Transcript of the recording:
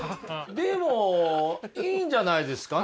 でもいいんじゃないですかね。